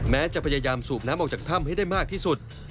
แม้จะพยายามสูบน้ำออกจากถ้ำให้ได้มากที่สุด